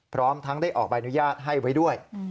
พร้อมทั้งได้ออกใบอนุญาตให้ไว้ด้วย